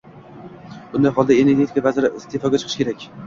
Bunday holda, energetika vaziri iste'foga chiqishi kerak